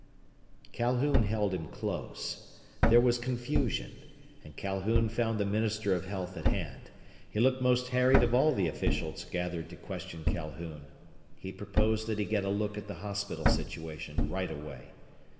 _" Calhoun held him close. There was confusion. And Calhoun found the Minister of Health at hand. He looked most harried of all the officials gathered to question Calhoun. He proposed that he get a look at the hospital situation right away.